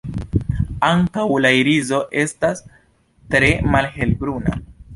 Ankaŭ la iriso estas tre malhelbruna.